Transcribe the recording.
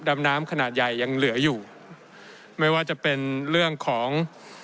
ดำน้ำขนาดใหญ่ยังเหลืออยู่ไม่ว่าจะเป็นเรื่องของ